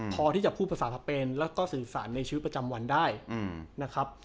พอที่จะพูดภาษาสเปนแล้วก็สื่อสารในชีวิตประจำวันได้นะครับ